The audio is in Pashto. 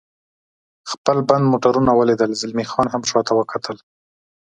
خپل بند موټرونه ولیدل، زلمی خان هم شاته کتل.